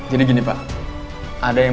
jadi gini pak ada yang